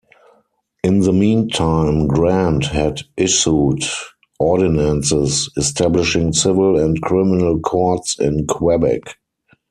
In the meantime, Grant had issued ordinances establishing civil and criminal courts in Quebec.